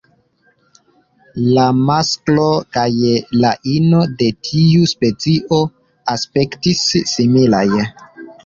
La masklo kaj la ino de tiu specio aspektis similaj.